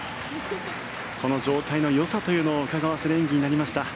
この状態のよさというのをうかがわせる演技になりました。